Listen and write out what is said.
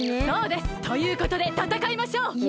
そうです！ということでたたかいましょう！